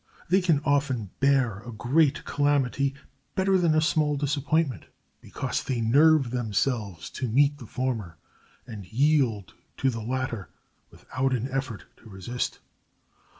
They can often bear a great calamity better than a small disappointment, because they nerve themselves to meet the former, and yield to the latter without an effort to resist.